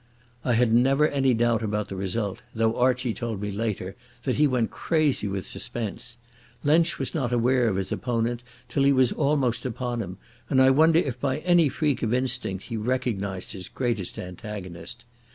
I had never any doubt about the result, though Archie told me later that he went crazy with suspense. Lensch was not aware of his opponent till he was almost upon him, and I wonder if by any freak of instinct he recognised his greatest antagonist.